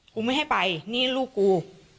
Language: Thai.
กูไม่ให้ไปนี่ลูกกู